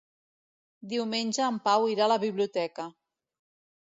Diumenge en Pau irà a la biblioteca.